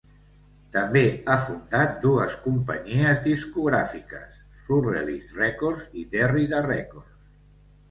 També ha fundat dues companyies discogràfiques, Surrealist Records i Derrida Records.